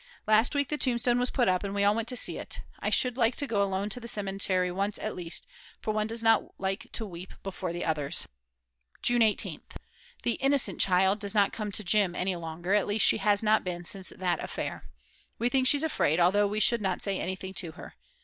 Last week the tombstone was put up and we all went to see it. I should like to go alone to the cemetery once at least, for one does not like to weep before the others. June 18th. The "innocent child" does not come to gym. any longer, at least she has not been since that affair. We think she's afraid, although we should not say anything to her.